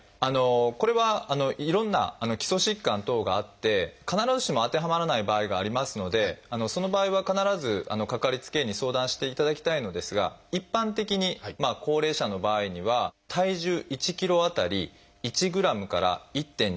これはいろんな基礎疾患等があって必ずしも当てはまらない場合がありますのでその場合は必ずかかりつけ医に相談していただきたいのですが一般的に高齢者の場合には体重１ｋｇ当たり１ｇから１．２ｇ。